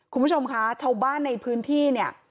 คุณผู้ชมคะชาวบ้านในพื้นที่เนี่ย